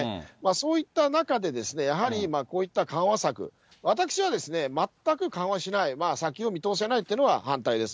そういった中で、やはり、こういった緩和策、私はですね、全く緩和しない、先を見通せないっていうのは反対です。